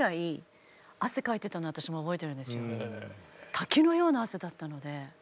滝のような汗だったので。